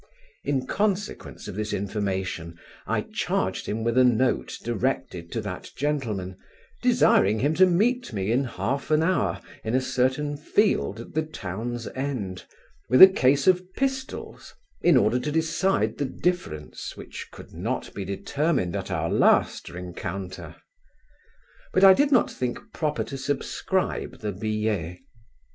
In consequence of this information I charged him with a note directed to that gentleman, desiring him to meet me in half an hour in a certain field at the town's end, with a case of pistols, in order to decide the difference which could not be determined at our last rencounter: but I did not think proper to subscribe the billet.